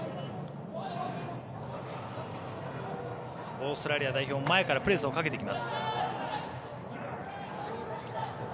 オーストラリア代表前からプレスをかけてきます。